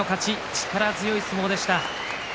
力強い相撲でした。